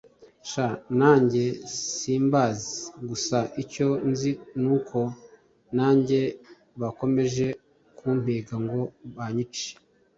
sha nanjye simbazi gusa, icyo nzi nuko nanjye bakomeje kumpiga ngo banyice